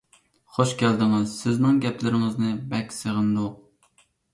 خۇش كەلدىڭىز! سىزنىڭ گەپلىرىڭىزنى بەك سېغىندۇق!